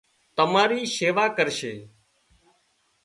تماري شيوا ڪرشي